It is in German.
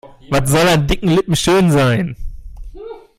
Was soll an dicken Lippen schön sein?